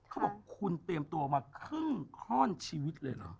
เขาบอกคุณเตรียมตัวมาครึ่งข้อนชีวิตเลยเหรอ